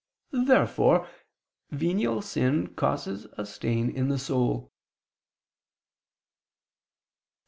Therefore venial sin causes a stain in the soul. Obj.